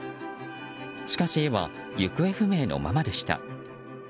しかし絵は行方不明のままでした。